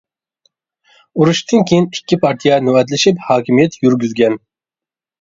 ئۇرۇشتىن كېيىن ئىككى پارتىيە نۆۋەتلىشىپ ھاكىمىيەت يۈرگۈزگەن.